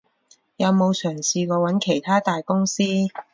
有冇嘗試過揾其它大公司？